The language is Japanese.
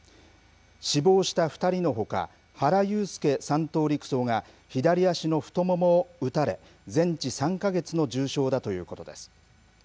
死亡した２人のほか原悠介３等陸曹が左足の太ももを撃たれ全治３か月の重傷だということです。